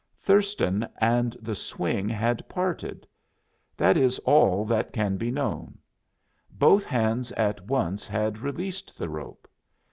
Thurston and the swing had parted that is all that can be known; both hands at once had released the rope.